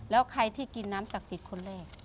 แล้วใครที่กินน้ำจากสิตคนแรก